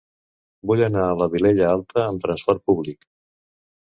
Vull anar a la Vilella Alta amb trasport públic.